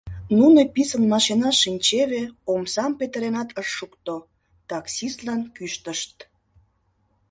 Нуно писын машинаш шинчеве, омсам петыренат ышт шукто, таксистлан кӱштышт: